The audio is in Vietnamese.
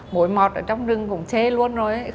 mỗi mọt ở trong rừng cũng chê luôn rồi